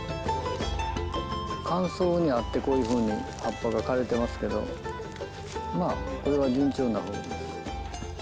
乾燥になってこういうふうに葉っぱが枯れてますけどまあこれは順調な方です。